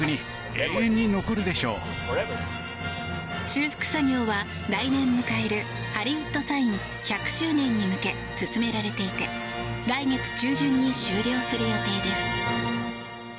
修復作業は、来年迎えるハリウッド・サイン１００周年に向け進められていて来月中旬に終了する予定です。